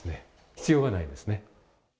必要がないですね。